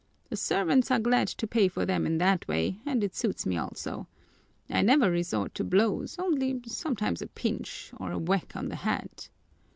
The servants are glad to pay for them in that way and it suits me also. I never resort to blows, only sometimes a pinch, or a whack on the head."